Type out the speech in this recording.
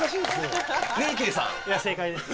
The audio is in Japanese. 「正解です」？